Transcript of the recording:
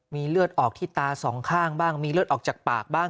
มีเลือดออกที่ตาสองข้างบ้างมีเลือดออกจากปากบ้าง